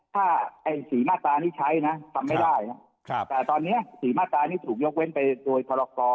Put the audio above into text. ถ้า๔มาตรานี้ใช้นะทำไม่ได้แต่ตอนนี้๔มาตรานี้ถูกยกเว้นไปโดยพรกร